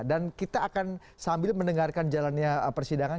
dan kita akan sambil mendengarkan jalannya persidangan